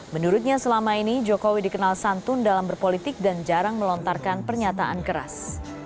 menurutnya selama ini jokowi dikenal santun dalam berpolitik dan jarang melontarkan pernyataan keras